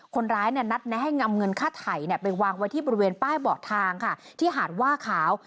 นัดแนะให้นำเงินค่าไถ่ไปวางไว้ที่บริเวณป้ายเบาะทางค่ะที่หาดว่าขาว